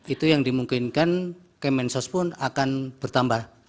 itu yang dimungkinkan kemensos pun akan bertambah